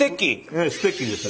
ええステッキです。